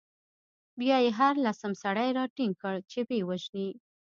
بیا يې هر لسم سړی راټینګ کړ، چې ویې وژني.